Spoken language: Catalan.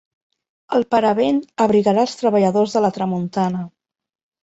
El paravent abrigarà els treballadors de la tramuntana.